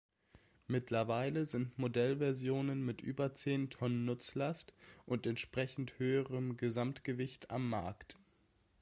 Mittlerweile sind Modellversionen mit über zehn Tonnen Nutzlast und entsprechend höherem Gesamtgewicht am Markt.